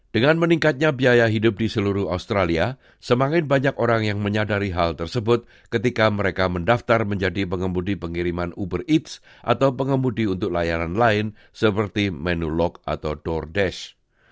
dengan meningkatnya biaya hidup di seluruh australia semakin banyak orang yang menyadari hal tersebut ketika mereka mendaftar menjadi pengemudi pengiriman uber eats atau pengemudi untuk layanan lain seperti menu lok atau door desk